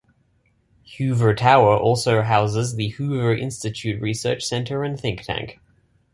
Hoover Tower also houses the Hoover Institution research center and think tank.